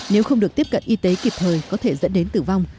nếu không được tiếp cận y tế kịp thời có thể dẫn đến tử vong